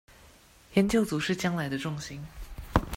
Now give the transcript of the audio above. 研究組是將來的重心